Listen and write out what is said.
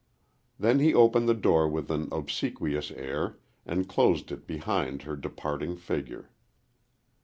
Then he opened the door with an obsequious air, and closed it behind her departing figure.